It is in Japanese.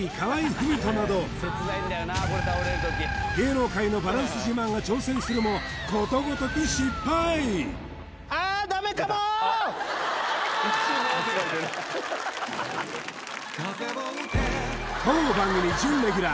郁人など芸能界のバランス自慢が挑戦するもことごとく失敗当番組準レギュラー